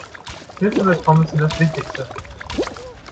Schnitzel mit Pommes sind das Wichtigste.